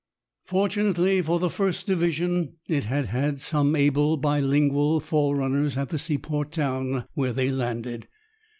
Fortunately for the First Division, it had had some able bilingual forerunners at the seaport town where they landed.